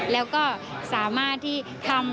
แล้วก็สามารถที่ทำ